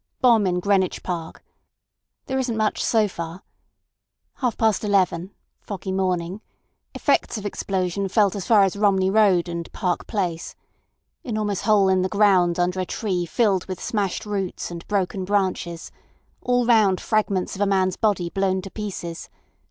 Bomb in Greenwich Park. There isn't much so far. Half past eleven. Foggy morning. Effects of explosion felt as far as Romney Road and Park Place. Enormous hole in the ground under a tree filled with smashed roots and broken branches. All round fragments of a man's body blown to pieces.